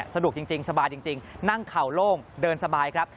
สนุกจริงสบายจริงนั่งเข่าโล่งเดินสบายครับ